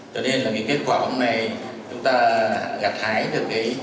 cho nên là cái kết quả hôm nay chúng ta gặt hái được cái